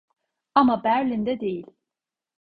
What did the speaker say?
Ama Berlin'de değil.